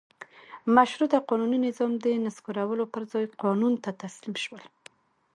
مشروطه قانوني نظام د نسکورولو پر ځای قانون ته تسلیم شول.